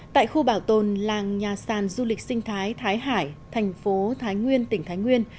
tại khu bảo tồn làng nhà sàn du lịch sinh thái thái hải thành phố thái nguyên tỉnh thái nguyên